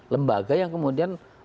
lembaga yang kemudian